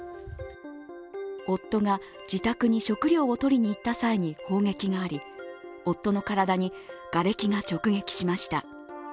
夫が自宅に食料を取りにいった際に砲撃があり、夫の体に瓦礫が直撃しました。